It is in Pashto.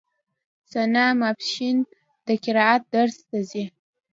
ثنا ماسپښين د قرائت درس ته ځي.